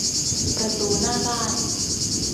ประตูหน้าบ้าน